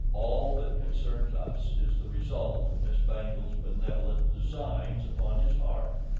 All that concerns us is the result of Miss Bangle's benevolent designs upon his heart.